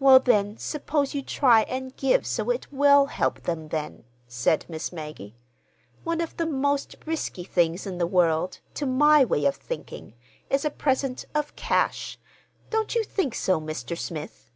"Well, then, suppose you try and give so it will help them, then," said Miss Maggie. "One of the most risky things in the world, to my way of thinking, is a present of—cash. Don't you think so, Mr. Smith?"